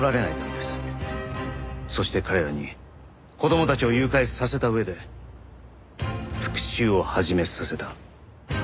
そして彼らに子供たちを誘拐させた上で復讐を始めさせた。